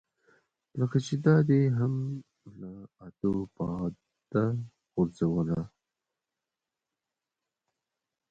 لکه چې دا دې هم له ادو باده غورځوله.